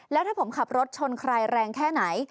แล้วถ้าผมขับรถชนใครแรงแค่ไหน